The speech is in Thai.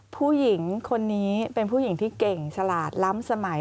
ผู้หญิงคนนี้เป็นผู้หญิงที่เก่งฉลาดล้ำสมัย